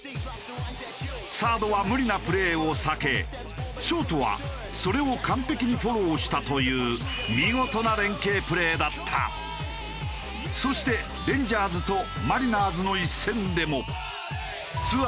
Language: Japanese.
サードは無理なプレーを避けショートはそれを完璧にフォローしたというそしてレンジャーズとマリナーズの一戦でも。